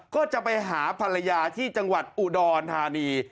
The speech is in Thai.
ก็จะไปหาภรรยาที่จังหวัดอุดรธานี